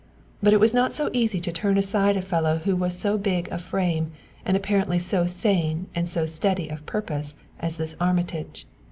But it was not so easy to turn aside a fellow who was so big of frame and apparently so sane and so steady of purpose as this Armitage.